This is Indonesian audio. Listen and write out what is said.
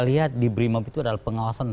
lihat di brimob itu adalah pengawasan